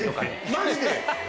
マジで？